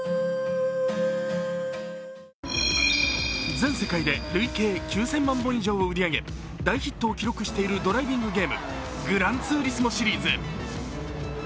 全世界で累計９０００万本以上売り上げ、大ヒットを記録しているドライビングゲーム、「グランツーリスモ」シリーズ。